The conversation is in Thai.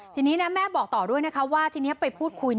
ทีนี้แม่บอกต่อด้วยที่นี่ไปพูดคุย